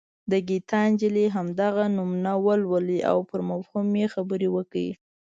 د ګیتا نجلي همدغه نمونه ولولئ او پر مفهوم یې خبرې وکړئ.